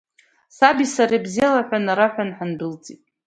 Саби сареи абзиала ҳәа нараҳҳәан, ҳандәылҵит.